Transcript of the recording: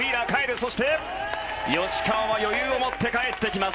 そして、吉川は余裕をもってかえってきます。